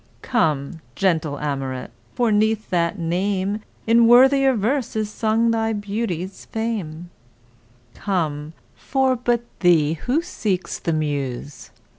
Come, gentle Amoret (for 'neath that name In worthier verse is sung thy beauty's fame), Come—for but thee who seeks the Muse?